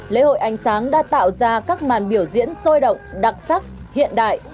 lễ hội ánh sáng đã tạo ra các màn biểu diễn sôi động đặc sắc hiện đại